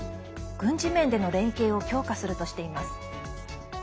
軍事面での連携を強化するとしています。